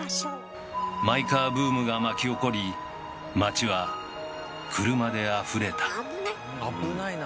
マイカーブームが巻き起こり街は車であふれた危ない！